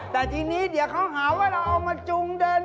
แต่ทีนี้เดี๋ยวเขาหาว่าเราเอามาจุงเดิน